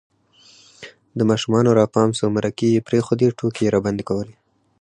د ماشومانو را پام سو مردکې یې پرېښودې، ټوکې یې راباندې کولې